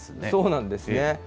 そうなんですよね。